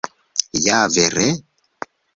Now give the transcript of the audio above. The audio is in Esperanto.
Ja vere?